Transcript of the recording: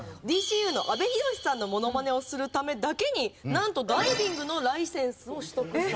『ＤＣＵ』の阿部寛さんのモノマネをするためだけになんとダイビングのライセンスを取得したそうです。